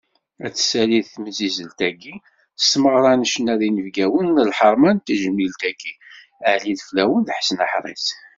Ad tessali temsizzelt-agi, s tmeɣra n ccna n yinebgawen n lḥerma n tejmilt-a, Ɛli Ideflawen d Ḥsen Aḥris.